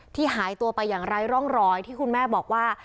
หายตัวไปอย่างไร้ร่องรอยที่คุณแม่บอกว่า